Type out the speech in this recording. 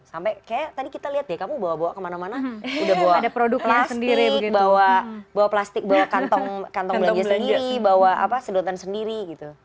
sampai kayak tadi kita lihat ya kamu bawa bawa kemana mana udah bawa plastik bawa kantong belanja sendiri bawa sedotan sendiri gitu